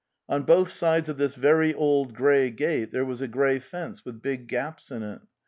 On both sides of this very old grey gate there was a grey fence with big gaps in it.